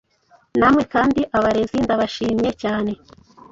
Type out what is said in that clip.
Namwe kandi abarezi ndabashimye cyane,